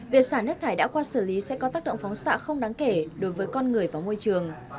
việc xả nước thải đã qua xử lý sẽ có tác động phóng xạ không đáng kể đối với con người và môi trường